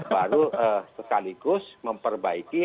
baru sekaligus memperbaiki